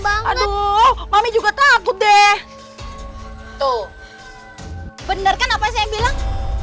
banget aduh mami juga takut deh tuh bener kan apa saya bilang